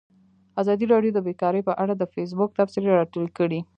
ازادي راډیو د بیکاري په اړه د فیسبوک تبصرې راټولې کړي.